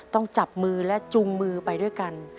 ต้องจับมือและจุงมือไปด้วยกัน